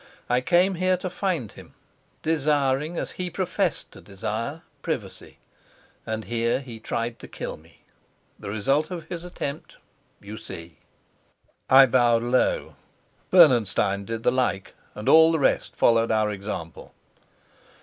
I came here to find him, desiring, as he professed, to desire, privacy. And here he tried to kill me. The result of his attempt you see." I bowed low, Bernenstein did the like, and all the rest followed our example.